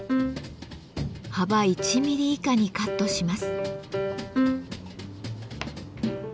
幅１ミリ以下にカットします。